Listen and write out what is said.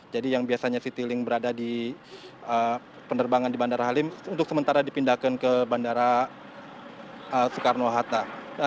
jadi yang biasanya siti berada di penerbangan di bandara halim untuk sementara dipindahkan ke bandara soekarno hatta